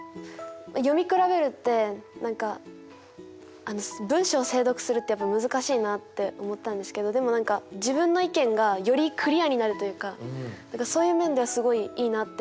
読み比べるって何か文章精読するってやっぱ難しいなって思ったんですけどでも何か自分の意見がよりクリアになるというかそういう面ではすごいいいなって思いました。